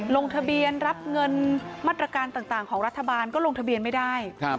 ลงทะเบียนรับเงินมาตรการต่างของรัฐบาลก็ลงทะเบียนไม่ได้